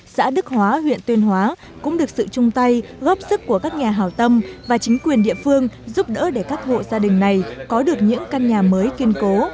xã đức hóa huyện tuyên hóa cũng được sự chung tay góp sức của các nhà hào tâm và chính quyền địa phương giúp đỡ để các hộ gia đình này có được những căn nhà mới kiên cố